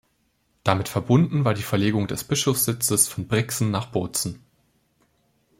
Damit verbunden war die Verlegung des Bischofssitzes von Brixen nach Bozen.